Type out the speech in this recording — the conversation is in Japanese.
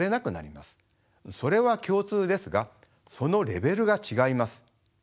それは共通ですがそのレベルが違います。